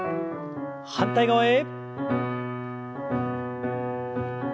反対側へ。